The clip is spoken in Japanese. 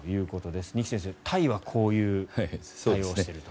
二木先生、タイはこういう対応をしていると。